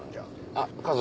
あっ家族